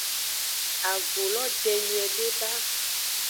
Agu lo den nyuiede ba.